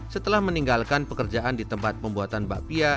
setelah meninggalkan pekerjaan di tempat pembuatan bakpia